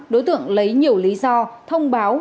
đối tượng lấy nhiều lý do thông báo